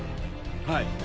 はい。